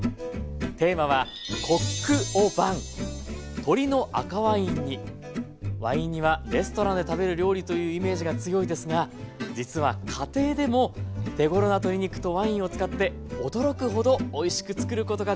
テーマはワイン煮はレストランで食べる料理というイメージが強いですが実は家庭でも手ごろな鶏肉とワインを使って驚くほどおいしくつくることができるんです。